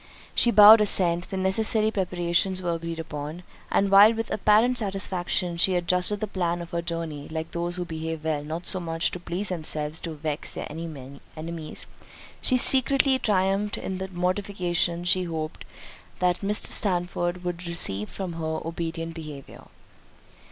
She bowed assent; the necessary preparations were agreed upon; and while with apparent satisfaction she adjusted the plan of her journey, (like those who behave well, not so much to please themselves as to vex their enemies,) she secretly triumphed in the mortification she hoped that Mr. Sandford would receive from her obedient behaviour.